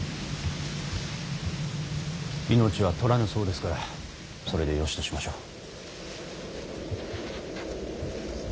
命は取らぬそうですからそれでよしとしましょう。